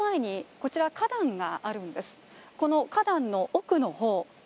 この花壇の奥の方。